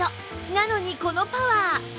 なのにこのパワー